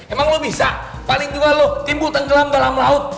emang lo bisa paling juga lo timbul tenggelam dalam laut